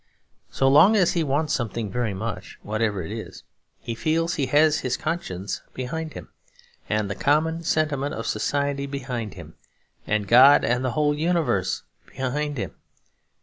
So long as he wants something very much, whatever it is, he feels he has his conscience behind him, and the common sentiment of society behind him, and God and the whole universe behind him.